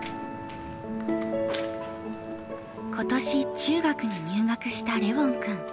今年中学に入学したレウォン君。